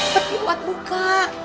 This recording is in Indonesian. tapi kuat buka